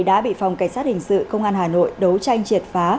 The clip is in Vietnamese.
đã bị phòng cảnh sát hình sự công an hà nội đấu tranh triệt phá